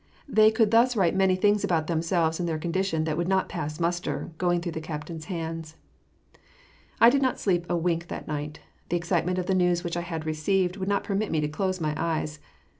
They could thus write many things about themselves and their condition that would not pass muster, going through the captain's hands. I did not sleep a wink that night. The excitement of the news which I had received would not permit me to close my eyes.